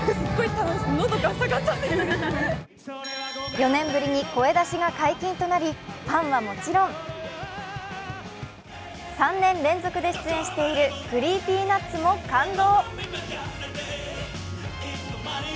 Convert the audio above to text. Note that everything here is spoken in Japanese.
４年ぶりに声出しが解禁となりファンはもちろん３年連続で出演しているＣｒｅｅｐｙＮｕｔｓも感動。